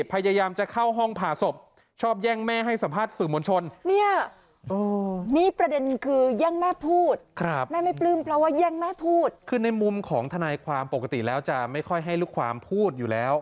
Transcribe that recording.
พยายามจะเข้าห้องผ่าศพชอบแย่งแม่ให้สัมภัษณ์สื่อมวลชน